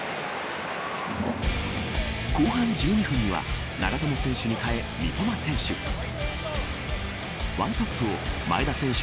後半１２分には長友選手に代え、三笘選手。